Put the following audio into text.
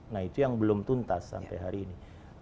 nah itu yang belum tuntas sampai hari ini